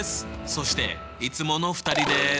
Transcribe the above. そしていつもの２人です。